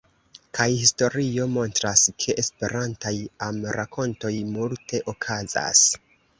Kaj historio montras ke Esperantaj amrakontoj multe okazas.